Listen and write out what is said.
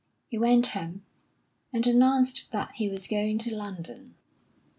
He went home, and announced that he was going to London.